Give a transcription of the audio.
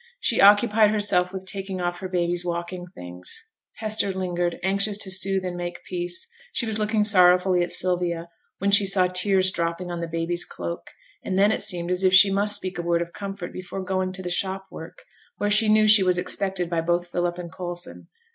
She occupied herself with taking off her baby's walking things. Hester lingered, anxious to soothe and make peace; she was looking sorrowfully at Sylvia, when she saw tears dropping on the baby's cloak, and then it seemed as if she must speak a word of comfort before going to the shop work, where she knew she was expected by both Philip and Coulson.